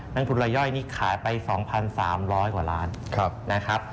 งทุนรายย่อยนี่ขายไป๒๓๐๐กว่าล้านนะครับ